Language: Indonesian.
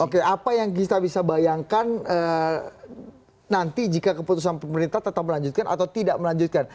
oke apa yang kita bisa bayangkan nanti jika keputusan pemerintah tetap melanjutkan atau tidak melanjutkan